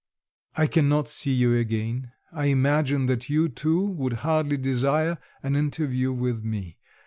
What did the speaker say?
"I cannot see you again; I imagine that you, too, would hardly desire an interview with me.